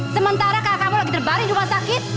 sementara kakak kamu lagi terbaring di rumah sakit